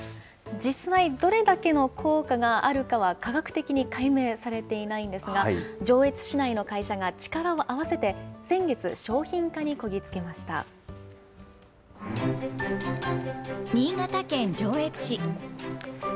実際、どれだけの効果があるかは科学的に解明されていないんですが、上越市内の会社が力を合わせて、先月、商品化にこぎ着け新潟県上越市。